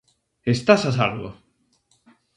-Estás a salvo!